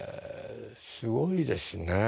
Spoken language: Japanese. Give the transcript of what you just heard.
すごいですね。